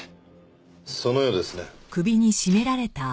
そのようですね。